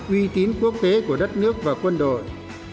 uy tín quốc tế của đất nước và quân đội